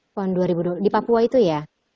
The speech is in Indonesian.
pon dua ribu dua di papua itu ya